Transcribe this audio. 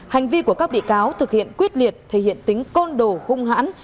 hành vi của các bị cáo thực hiện quyết liệt thể hiện tính côn đồ hung hãn